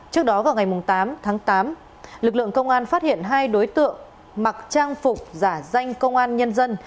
trước đó vào ngày tám tháng tám lực lượng công an phát hiện hai đối tượng mặc trang phục giả danh công an nhân dân